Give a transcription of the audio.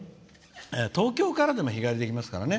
東京からでも日帰りできますからね。